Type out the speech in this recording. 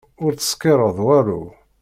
Ur ttṣekkiṛeɣ walu.